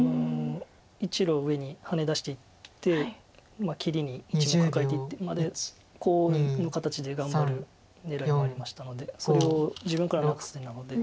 １路上にハネ出していって切りに１目カカえていってまでコウの形で頑張る狙いもありましたのでそれを自分からなくす手なので。